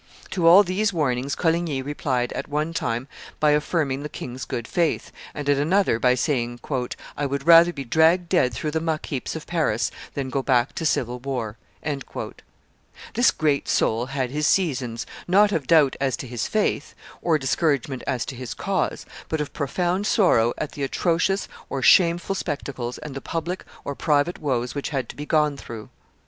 To all these warnings Coligny replied at one time by affirming the king's good faith, and at another by saying, "I would rather be dragged dead through the muck heaps of Paris than go back to civil war." This great soul had his seasons, not of doubt as to his faith or discouragement as to his cause, but of profound sorrow at the atrocious or shameful spectacles and the public or private woes which had to be gone through.